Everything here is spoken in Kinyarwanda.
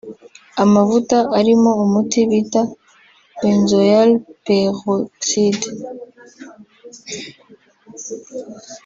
Amavuta arimo umuti bita“benzoyl peroxide”